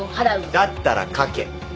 だったら描け。